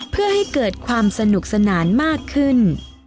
เพื่อให้เกิดความสนุกสนานมากขึ้น